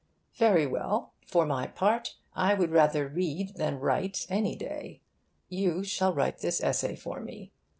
Very well. For my part, I would rather read than write, any day. You shall write this essay for me.